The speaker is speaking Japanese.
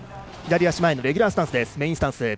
左足前のレギュラースタンス。